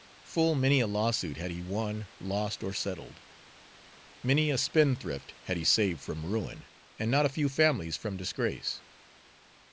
Full many a lawsuit had he won, lost, or settled; many a spendthrift had he saved from ruin, and not a few families from disgrace.